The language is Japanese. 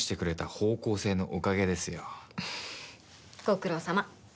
ご苦労さま。